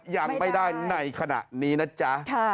อย่างไม่ได้ใครหน่ะนี้นะจ้ะ